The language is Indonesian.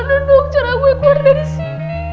nung gimana dong cara gue keluar dari sini